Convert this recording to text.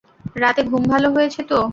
রাতে ঘুম ভালো হয়েছে তো?